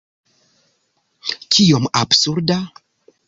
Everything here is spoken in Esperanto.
Kiom absurda!